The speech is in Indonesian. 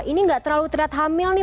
ini nggak terlalu terlihat hamil nih